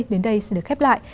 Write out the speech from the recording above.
đến đây xin được khép lại